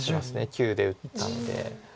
「９」で打ったんで。